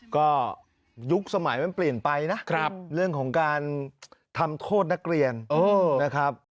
ก็ยุคสมัยมันเปลี่ยนไปนะเรื่องของการทำโทษนักเรียนนะครับ